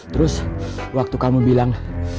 terus waktu kamu bilang